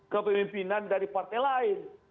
kepemimpinan dari partai lain